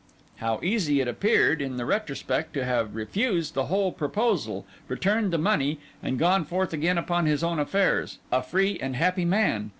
How easy it appeared, in the retrospect, to have refused the whole proposal, returned the money, and gone forth again upon his own affairs, a free and happy man!